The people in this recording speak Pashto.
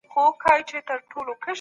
له ګاونډیانو سره ښه اړیکې ولرئ.